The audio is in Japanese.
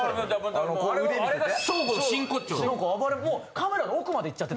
カメラの奥まで行っちゃってた。